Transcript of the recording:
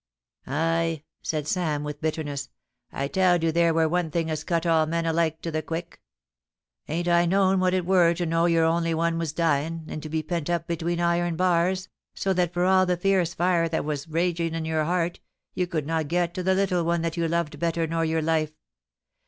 * Ay !' said Sam, with bitterness ;* I tow'd you there were one thing as cut all men alike to the quick. Hain't I known what it were to know your only one was dyin', and to be pent up between iron bars, so that for all the fierce fire that were ragin' in your heart, you could not get to the little one that you loved better nor your life.